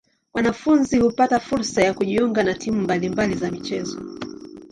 Wanafunzi hupata fursa ya kujiunga na timu mbali mbali za michezo.